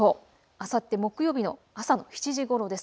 あさって木曜日の朝の７時ごろです。